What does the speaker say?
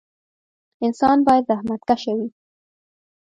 انسان باید زخمتکشه وي